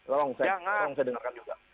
tolong saya dengarkan juga